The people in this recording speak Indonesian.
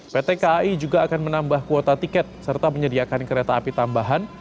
pt kai juga akan menambah kuota tiket serta menyediakan kereta api tambahan